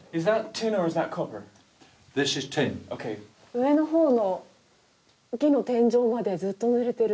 上の方の木の天井までずっとぬれてる。